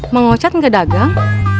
mang wajar nggak dagang